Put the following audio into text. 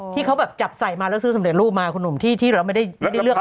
ที่เขาแบบจับใส่มาแล้วซื้อสำเร็จรูปมาคุณหนุ่มที่เราไม่ได้เลือก